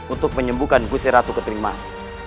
untuk menyembuhkan kusir ratu ketimbang